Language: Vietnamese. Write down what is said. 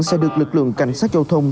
sẽ được lực lượng cảnh sát châu thông